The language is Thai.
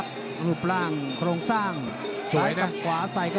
ดึงหลุดออกมาแล้วโต้สวยเลยนะ